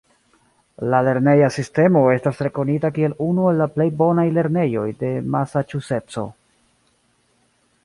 La lerneja sistemo estas rekonita kiel unu el la plej bonaj lernejoj en Masaĉuseco.